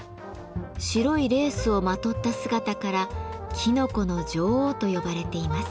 白いレースをまとった姿から「きのこの女王」と呼ばれています。